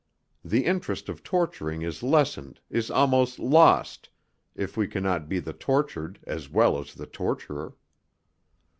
The interest of torturing is lessened, is almost lost, if we can not be the tortured as well as the torturer.